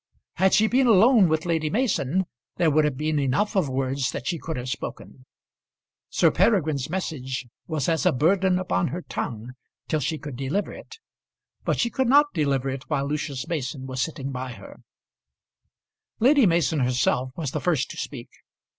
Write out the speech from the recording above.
Had she been alone with Lady Mason there would have been enough of words that she could have spoken. Sir Peregrine's message was as a burden upon her tongue till she could deliver it; but she could not deliver it while Lucius Mason was sitting by her. Lady Mason herself was the first to speak.